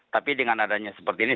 tapi dengan adanya seperti ini